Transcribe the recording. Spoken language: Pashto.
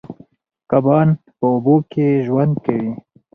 کبان په اوبو کې ژوند کوي